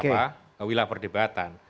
sebetulnya sudah tidak wilayah perdebatan